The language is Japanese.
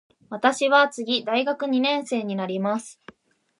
私は次大学二年生になります。